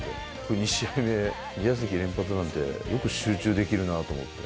２試合目、２打席連発なんて、よく集中できるなと思って。